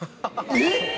えっ！